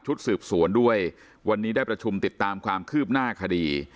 สืบสวนด้วยวันนี้ได้ประชุมติดตามความคืบหน้าคดี